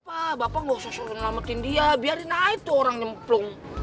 pak bapak gak usah seru ngelemetin dia biarin aja tuh orang nyemplung